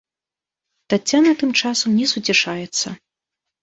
Таццяна тым часам не суцішаецца.